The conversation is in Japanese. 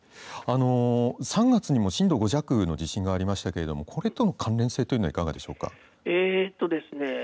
３月にも震度５弱の地震がありましたけどこれとの関連性はいかがでしょうか。